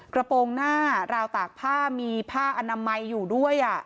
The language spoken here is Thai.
กระโปรงหน้าราวตากผ้ามีผ้าอนามัยอยู่ด้วย